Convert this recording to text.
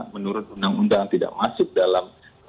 menurut undang undang tidak masuk dalam